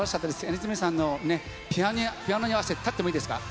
Ｎ’ｉｓｍさんのピアノに合わせて、立ってもいいですか。